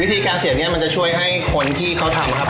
วิธีการเสียบนี้มันจะช่วยให้คนที่เขาทำครับ